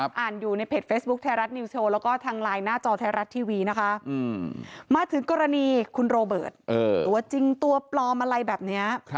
อ่านอยู่ในเพจเฟซบุ๊คไทยรัฐนิวโชว์แล้วก็ทางไลน์หน้าจอไทยรัฐทีวีนะคะมาถึงกรณีคุณโรเบิร์ตตัวจริงตัวปลอมอะไรแบบนี้